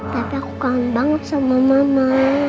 tapi aku kangen banget sama mama